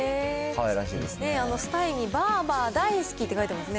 スタイに、ばーばだいすきって書いてますね。